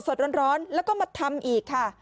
สดร้อนแล้วก็มาทำอีกค่ะ